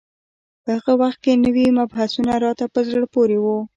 په هغه وخت کې نوي مبحثونه راته په زړه پورې وو.